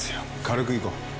軽くいこう。